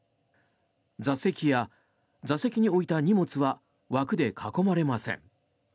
座席や座席に置いた荷物は枠で囲まれません。